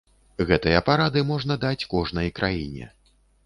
Гэтыя парады можна даць кожнай краіне.